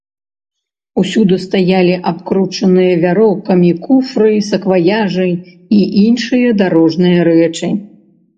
Усюды стаялі абкручаныя вяроўкамі куфры, сакваяжы і іншыя дарожныя рэчы.